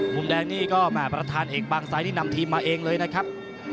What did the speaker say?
มุมแดงนี่ก็แห่ประธานเอกบางไซดนี่นำทีมมาเองเลยนะครับ